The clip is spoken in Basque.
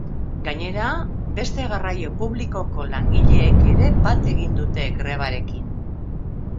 Gainera, beste garraio publikoko langileek ere bat egin dute grebarekin.